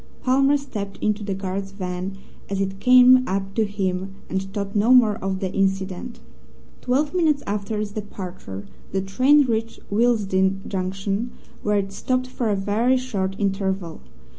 Palmer stepped into the guard's van, as it came up to him, and thought no more of the incident. Twelve minutes after its departure the train reached Willesden Junction, where it stopped for a very short interval.